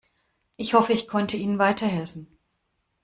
Ich hoffe, ich konnte ihnen weiterhelfen.